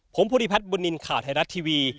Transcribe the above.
ผมภูริพัฒน์บุญนินทร์ข่าวไทยรัฐทีวี